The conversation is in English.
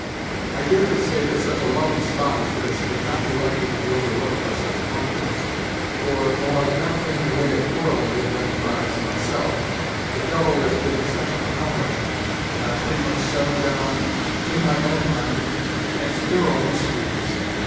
I dare to say that such a lovely spot as this, would not be likely to be overlooked by such plunderers, for, though I've not been in the way of quarreling with them tribes myself, the Delawares give me such an account of 'em that I've pretty much set 'em down in my own mind, as thorough miscreants."